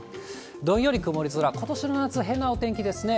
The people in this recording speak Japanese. どんより曇り空、ことしの夏、変なお天気ですね。